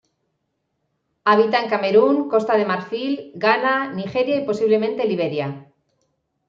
Habita en Camerún, Costa de Marfil, Ghana, Nigeria y posiblemente Liberia.